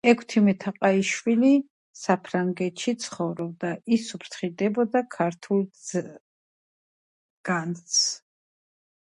საფრანგეთში დაბრუნებული დაქორწინდა და სამსახურის იმედით პარიზში გადასახლდა.